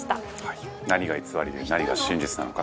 齊藤：何が偽りで何が真実なのか。